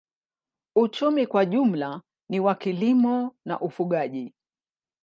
Uchumi kwa jumla ni wa kilimo na ufugaji.